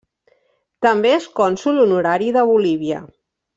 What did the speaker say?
També és cònsol honorari de Bolívia.